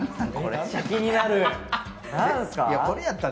めっちゃ気になる。